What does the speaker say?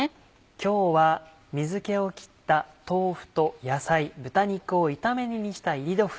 今日は水気を切った豆腐と野菜豚肉を炒め煮にした「炒り豆腐」。